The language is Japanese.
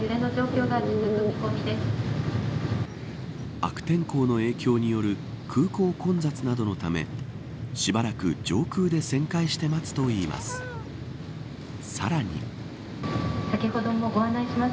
悪天候の影響による空港混雑などのためしばらく上空で旋回して待つといいます。